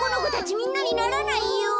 みんなにならないよ。